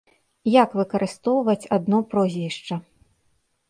Як выкарыстоўваць адно прозвішча?